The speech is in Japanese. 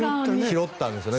拾ったんですね。